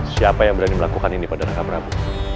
siapa yang berani melakukan ini pada raka prabu